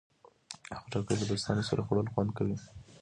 خټکی له دوستانو سره خوړل خوند کوي.